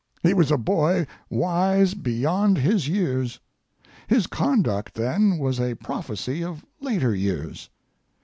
He was a boy wise beyond his years. His conduct then was a prophecy of later years.